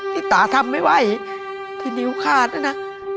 ที่ตาทำไม่ไหวที่นิ้วขาดนะนะ